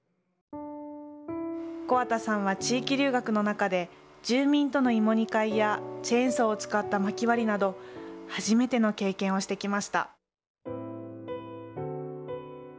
木幡さんは地域留学の中で住民との芋煮会やチェーンソーを使った薪割りなど初めての経験をしてきました。